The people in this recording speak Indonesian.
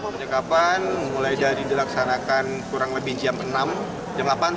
penyikapan mulai dari dilaksanakan kurang lebih jam enam jam delapan